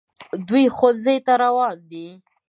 دوی ښوونځي ته روان دي